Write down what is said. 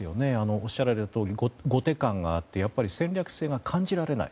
おっしゃられたとおり後手感があり戦略性が感じられない。